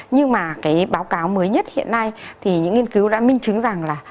nhưng mà cái báo cáo mới nhất hiện nay thì những nghiên cứu đã minh chứng rằng là